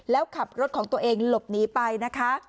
แล้วขับรถของตัวเองหลบหนีไปนะคะ